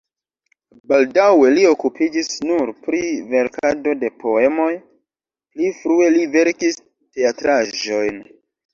Baldaŭe li okupiĝis nur pri verkado de poemoj (pli frue li verkis teatraĵojn).